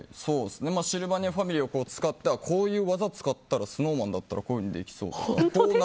シルバニアファミリーを使ってこういう技使ったらＳｎｏｗＭａｎだったらこういうのできそうとか。